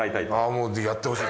もうやってほしい。